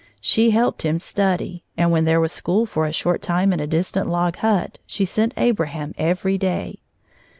She helped him study, and when there was school for a short time in a distant log hut, she sent Abraham every day.